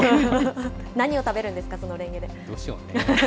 何を食べるんですか、そのれんげで。